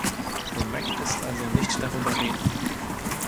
Du möchtest also nicht darüber reden.